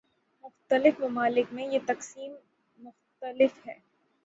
مختلف ممالک میں یہ تقسیم مختلف ہے۔